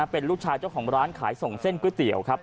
เป็นลูกชายเจ้าของร้านขายส่งเส้นก๋วยเตี๋ยวครับ